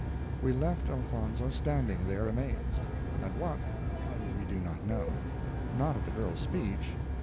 We left Elfonzo standing there amazed. At what, we do not know. Not at the girl's speech.